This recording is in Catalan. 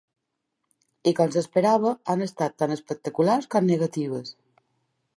I, com s’esperava, han estat tan espectaculars com negatives.